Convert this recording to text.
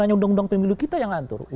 hanya undang undang pemilu kita yang ngatur